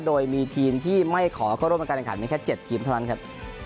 โดยมีทีมที่ไม่ขอเข้าร่วมการแข่งขันมีแค่๗ทีมเท่านั้นครับ